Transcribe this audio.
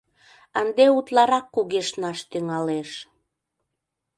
Ынде утларак кугешнаш тӱҥалеш...